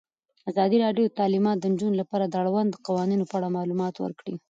ازادي راډیو د تعلیمات د نجونو لپاره د اړونده قوانینو په اړه معلومات ورکړي.